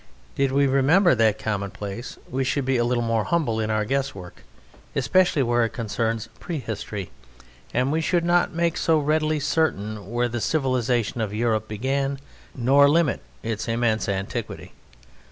Did we remember that commonplace we should be a little more humble in our guesswork, especially where it concerns prehistory; and we should not make so readily certain where the civilization of Europe began, nor limit its immense antiquity.